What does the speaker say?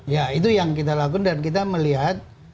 ya itu yang kita lakukan dan kita melihat